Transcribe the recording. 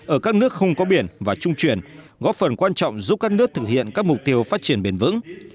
ở các nước không có biển và trung chuyển góp phần quan trọng giúp các nước thực hiện các mục tiêu phát triển bền vững